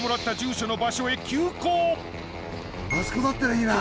あそこだったらいいな！